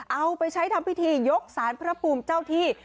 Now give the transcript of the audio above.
เอาไปใช้ทำพิธียกสารพระภูมิเจ้าที่